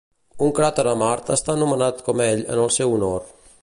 Un cràter a Mart està anomenat com ell en el seu honor.